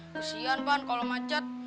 kesian pan kalo macet